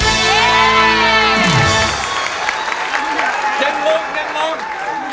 เพลงนี้อยู่ในอาราบัมชุดแรกของคุณแจ็คเลยนะครับ